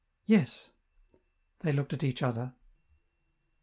" Yes." They looked at each other.